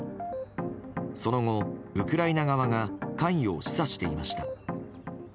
その後、ウクライナ側が関与を示唆していました。